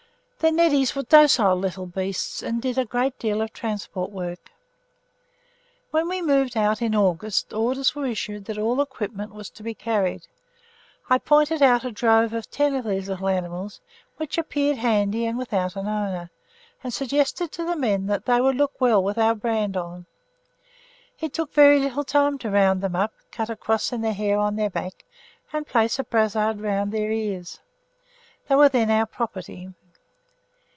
The Neddies were docile little beasts, and did a great deal of transport work. When we moved out in August, orders were issued that all equipment was to be carried. I pointed out a drove of ten of these little animals, which appeared handy and without an owner, and suggested to the men that they would look well with our brand on. It took very little time to round them up, cut a cross in the hair on their backs and place a brassard round their ears. They were then our property.